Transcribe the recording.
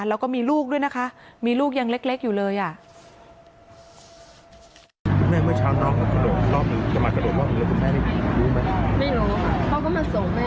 แล้วก็มีลูกด้วยนะคะมีลูกยังเล็กอยู่เลยอ่ะ